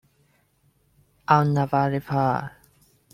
I’ll never leave her!